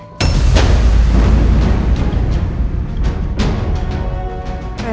sampai ketemu di rumah